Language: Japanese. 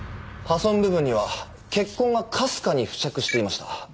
破損部分には血痕がかすかに付着していました。